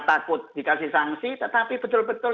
takut dikasih sanksi tetapi betul betul